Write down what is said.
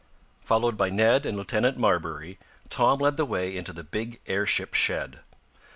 Followed by Ned and Lieutenant Marbury, Tom led the way into the big airship shed.